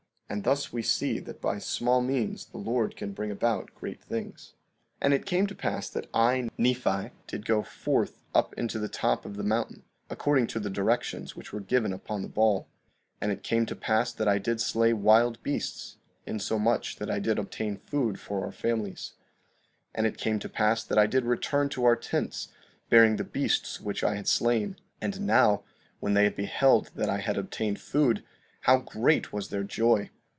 And thus we see that by small means the Lord can bring about great things. 16:30 And it came to pass that I, Nephi, did go forth up into the top of the mountain, according to the directions which were given upon the ball. 16:31 And it came to pass that I did slay wild beasts, insomuch that I did obtain food for our families. 16:32 And it came to pass that I did return to our tents, bearing the beasts which I had slain; and now when they beheld that I had obtained food, how great was their joy!